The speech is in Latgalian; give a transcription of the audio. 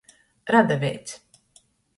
Radaveits.